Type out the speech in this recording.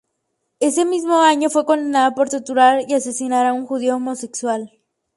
Ese mismo año, fue condenado por torturar y asesinar a un judío homosexual.